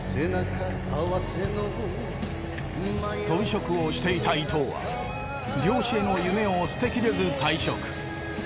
とび職をしていた伊藤は漁師への夢を捨てきれず退職。